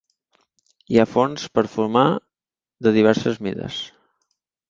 Hi ha forns per fumar de diverses mides.